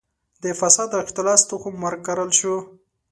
د فساد او اختلاس تخم وکرل شو.